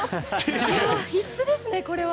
必須ですね、これは。